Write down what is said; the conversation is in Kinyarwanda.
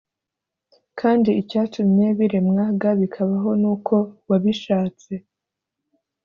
Kandi icyatumye biremwa g bikabaho ni uko wabishatse